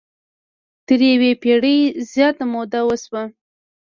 تر یوې پېړۍ زیاته موده وشوه.